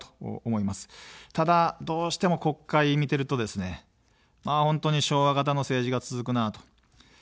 ただ、どうしても国会見てるとですね、本当に昭和型の政治が続くなと。